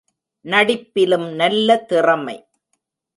நடிப்பிலும் நல்ல திறமை.